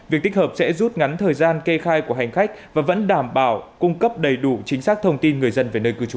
việc tích hợp sẽ rút ngắn thời gian kê khai của hành khách và vẫn đảm bảo cung cấp đầy đủ chính xác thông tin người dân về nơi cư trú